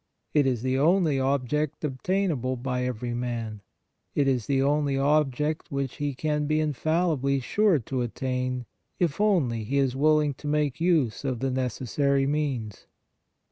It is the only object obtainable by every man. It is the only object which he can be infallibly sure to attain, if only he is willing to make use of the necessary means.